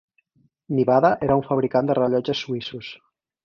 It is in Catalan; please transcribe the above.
Nivada era un fabricant de rellotges suïssos.